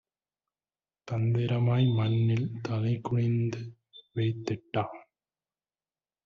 தந்திரமாய் மண்ணில் தலைகுனிந்து வைத்திட்ட